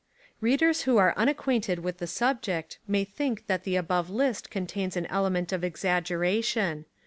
Readers who are unacquainted with the sub ject may think that the above list contains an element of exaggeration.